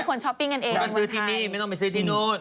คนช้อปปิ้งกันเองแล้วก็ซื้อที่นี่ไม่ต้องไปซื้อที่นู้น